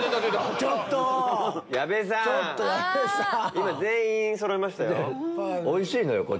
今全員そろいましたよ。